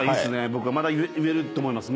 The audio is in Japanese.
僕まだ言えると思います。